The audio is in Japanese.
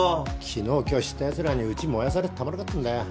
昨日今日知ったやつらにうち燃やされてたまるかっちゅうんだよ。